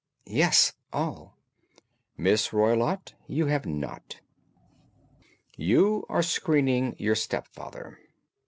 "Yes, all." "Miss Roylott, you have not. You are screening your stepfather."